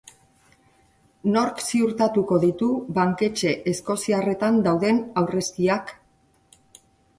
Nork ziurtatuko ditu banketxe eskoziarretan dauden aurrezkiak?